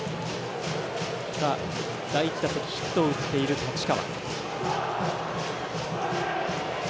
第１打席ヒットを打っている太刀川。